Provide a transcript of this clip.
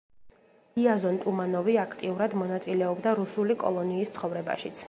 იაზონ ტუმანოვი აქტიურად მონაწილეობდა რუსული კოლონიის ცხოვრებაშიც.